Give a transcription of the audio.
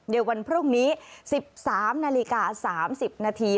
ในวันพรุ่งนี้๑๓นาฬิกา๓๐นาที